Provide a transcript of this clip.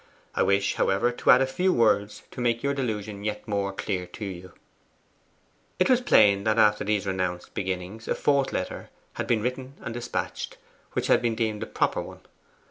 I wish, however, to add a few words to make your delusion yet more clear to you ' It was plain that, after these renounced beginnings, a fourth letter had been written and despatched, which had been deemed a proper one.